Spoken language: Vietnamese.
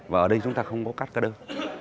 và ở đây chúng ta không có các cái đơn